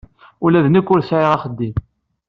Ula d nekk ur sɛiɣ axeddim.